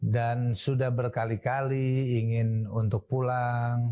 dan sudah berkali kali ingin untuk pulang